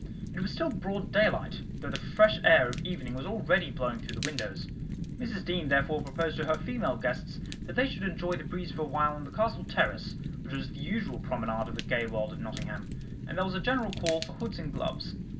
It was still broad daylight, though the fresh air of evening was already blowing through the windows. Mrs Deane therefore proposed to her female guests that they should enjoy the breeze for a while on the Castle Terrace, which was the usual promenade of the gay world of Nottingham, and there was a general call for hoods and gloves.